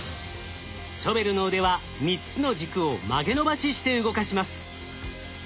ショベルの腕は３つの軸を曲げ伸ばしして動かします。